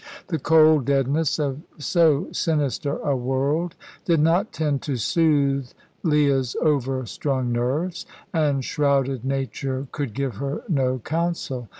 The cold deadness of so sinister a world did not tend to soothe Leah's overstrung nerves, and shrouded Nature could give her no counsel.